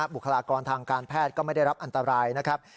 บุคลากรทางการแพทย์ก็ไม่ได้รับอันตรายนะครับ